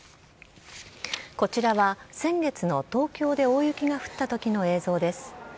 こちらは先月の東京で大雪が降ったときの映像です。